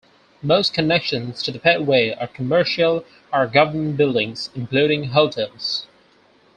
Most connections to the pedway are commercial or government buildings, including hotels.